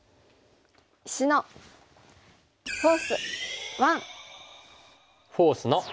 「石のフォース１」。